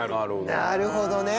なるほどね。